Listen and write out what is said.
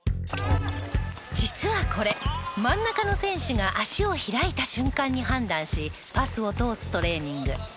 実はこれ真ん中の選手が足を開いた瞬間に判断しパスを通すトレーニング。